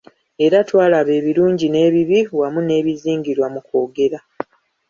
Era twalaba ebirungi n'ebibi wamu n'ebizingirwa mu kwogera.